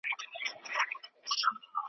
تخت ورته جوړ سي، سړی کښیني لکه سیوری غلی .